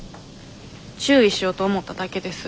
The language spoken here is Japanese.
注意しようと思っただけです。